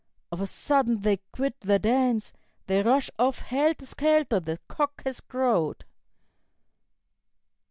Of a sudden they quit their dance; They rush off helter skelter, the cock has crowed."